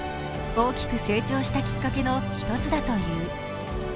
大きく成長したきっかけの一つだという。